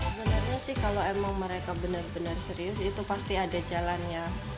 sebenarnya sih kalau emang mereka benar benar serius itu pasti ada jalannya